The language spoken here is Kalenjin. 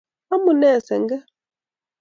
Amunee senge